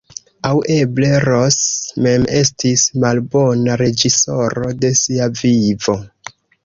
Aŭ eble Ros mem estis malbona reĝisoro de sia vivo.